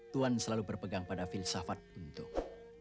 tuan selalu berpegang pada filsafat untuk